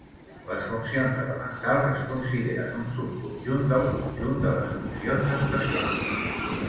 Les funcions elementals es consideren un subconjunt del conjunt de les funcions especials.